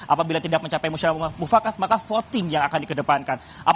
apabila tidak mencapai musyarat mufakat maka voting yang akan dikedepankan